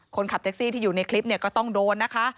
คนขับแท็กซี่ที่อยู่ในคลิปเนี่ยก็ต้องโดนนะคะ